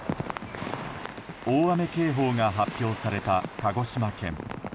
大雨警報が発表された鹿児島県。